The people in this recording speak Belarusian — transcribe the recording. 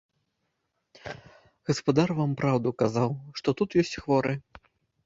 Гаспадар вам праўду казаў, што тут ёсць хворы!